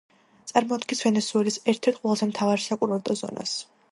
წარმოადგენს ვენესუელის ერთ-ერთ ყველაზე მთავარ საკურორტო ზონას.